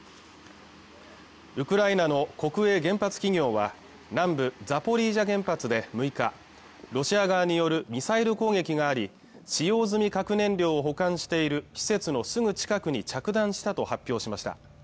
ウクライナの国営原発企業は南部ザポリージャ原発で６日ロシア側によるミサイル攻撃があり使用済み核燃料を保管している施設のすぐ近くに着弾したと発表しました